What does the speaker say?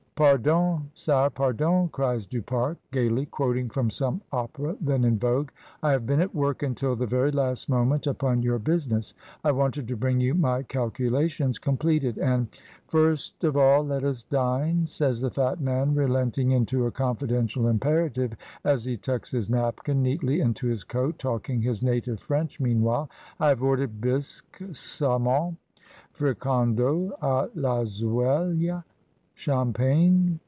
"Pardcm, sire, pardon/' cries Du Pare, gaily, quoting from some opera then in vogue. "I have been at work until the very last moment upon your business; I wanted to bring you my calculations completed, and " First of all let us dine," says the fat man re lenting into a confidential imperative, as he tucks his napkin neatly into his coat, talking his native French meanwhile. "I have ordered bisque^ saumon^ fricandcau d Voseilhy champagne.